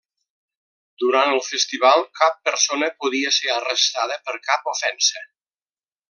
Durant el festival cap persona podia ser arrestada per cap ofensa.